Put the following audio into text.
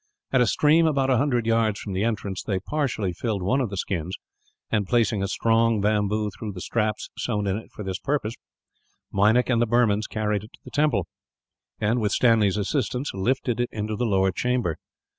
At a stream about a hundred yards from the entrance they partially filled one of the skins and, placing a strong bamboo through the straps sewn on it for the purpose, Meinik and the Burmans carried it to the temple and, with Stanley's assistance, lifted it into the lower chamber.